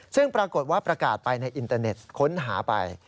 ซึ่งปรากฏว่าประกาศไปในอินเตอร์เน็ตค้นหาไป